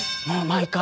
毎回。